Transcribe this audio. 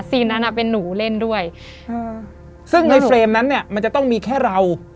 นั้นอ่ะเป็นหนูเล่นด้วยอ่าซึ่งในเฟรมนั้นเนี้ยมันจะต้องมีแค่เรา